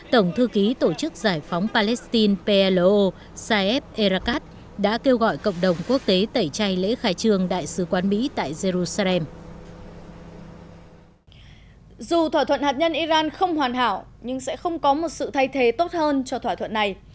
dù thỏa thuận hạt nhân iran không hoàn hảo nhưng sẽ không có một sự thay thế tốt hơn cho thỏa thuận này